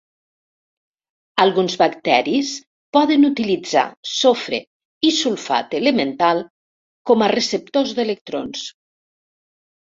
Alguns bacteris poden utilitzar sofre i sulfat elemental com a receptors d'electrons.